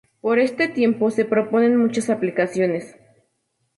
Por este tiempo, se proponen muchas aplicaciones.